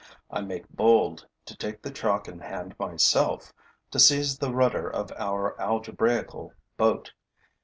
I make bold to take the chalk in hand myself, to seize the rudder of our algebraical boat.